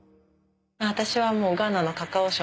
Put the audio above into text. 私はもう。